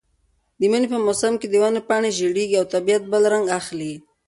د مني په موسم کې د ونو پاڼې ژېړېږي او طبیعت بل رنګ اخلي.